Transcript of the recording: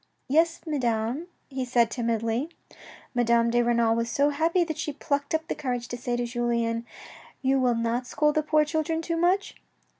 " Yes, Madame," he said timidly. Madame de Renal was so happy that she plucked up the courage to say to Julien, " You will not scold the poor children too much?"